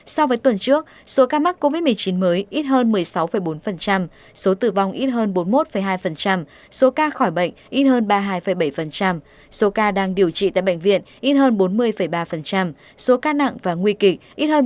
so với tuần trước số ca mắc covid một mươi chín mới ít hơn một mươi sáu bốn số tử vong ít hơn bốn mươi một hai số ca khỏi bệnh ít hơn ba mươi hai bảy số ca đang điều trị tại bệnh viện ít hơn bốn mươi ba số ca nặng và nguy kịch ít hơn